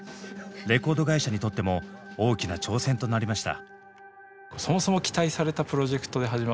レコード会社にとっても大きな挑戦となりました。